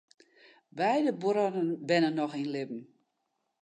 Beide bruorren binne noch yn libben.